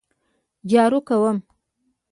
جارو کوم